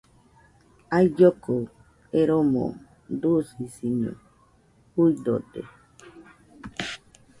Ailloko eromo dusisiño juidode